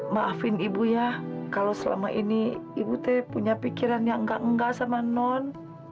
maafin ibu ya kalau selama ini ibu teh punya pikiran yang enggak enggak sama non